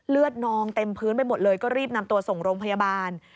นองเต็มพื้นไปหมดเลยก็รีบนำตัวส่งโรงพยาบาล